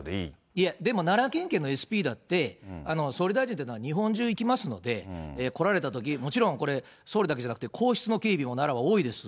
いえ、でも奈良県警のＳＰだって、総理大臣というのは日本中行きますので、来られたとき、もちろん、これ、総理だけじゃなくて、皇室の警備も奈良は多いです。